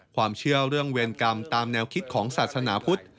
ความเชื่อเรื่องเวรกรรมตามแนวคิดของศาสนาพุทธ